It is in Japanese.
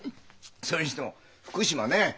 それにしても福島ねえ。